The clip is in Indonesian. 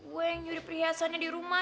gue yang nyuri perhiasannya di rumah